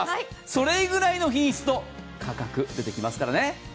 それぐらいの品質と価格、出てきますからね。